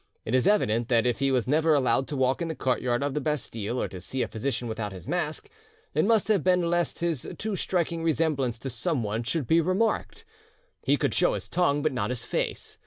It is evident that if he was never allowed to walk in the courtyard of the Bastille or to see a physician without his mask, it must have been lest his too striking resemblance to someone should be remarked; he could show his tongue but not his face.